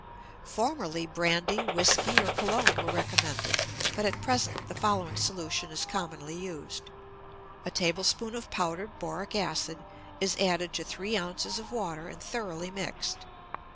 Formerly brandy, whiskey, or cologne were recommended, but at present the following solution is commonly used. A tablespoonful of powdered boric acid is added to three ounces of water and thoroughly mixed.